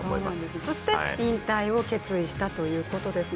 そして引退を決意したということですね。